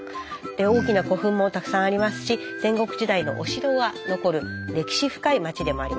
大きな古墳もたくさんありますし戦国時代のお城が残る歴史深い町でもあります。